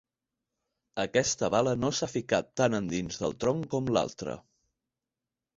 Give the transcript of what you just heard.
Aquesta bala no s'ha ficat tan endins del tronc com l'altra.